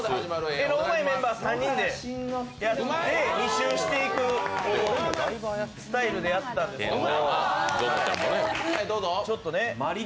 絵のうまいメンバー３人でやって２周していくスタイルでやったんですけど。